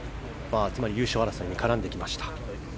つまり優勝争いに絡んできました。